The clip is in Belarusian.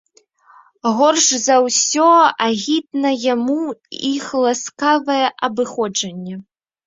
Горш за ўсё агідна яму іх ласкавае абыходжанне.